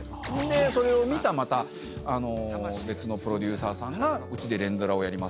それを見たまた別のプロデューサーさんがうちで連ドラをやりませんか？